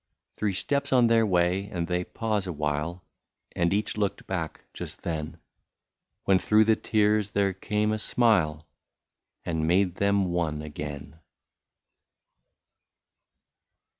Three steps on their way, and they pause awhile, And each looked back just then ; When through the tears there came a smile. And made them one again.